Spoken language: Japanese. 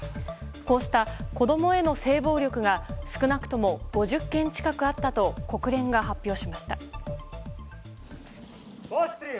こうした子供への性暴力が少なくとも５０件近くあったと国連が発表しました。